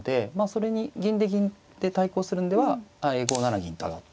それに銀で銀で対抗するんでは５七銀と上がって。